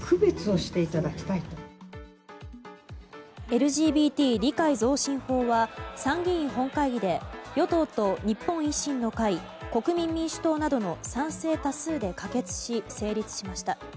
ＬＧＢＴ理解増進法は参議院本会議で与党と日本維新の会国民民主党などの賛成多数で可決し成立しました。